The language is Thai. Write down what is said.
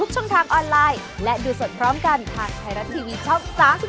สวัสดีครับ